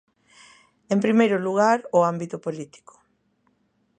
En primeiro lugar, o ámbito político.